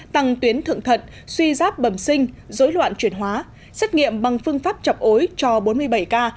tăng tuyến thượng thận suy giáp bẩm sinh rối loạn chuyển hóa xét nghiệm bằng phương pháp chọc ối cho bốn mươi bảy ca